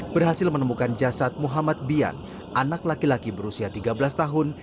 berhasil menemukan jasad muhammad bian anak laki laki berusia tiga belas tahun